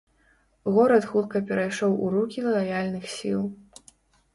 Горад хутка перайшоў у рукі лаяльных сіл.